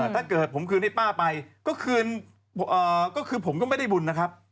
ถ้าเกิดผมคืนให้ป้าไปก็คืนก็คือผมก็ไม่ได้บุญนะครับ